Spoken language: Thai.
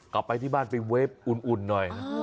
กลับไปที่บ้านไปเวฟอุ่นหน่อยนะ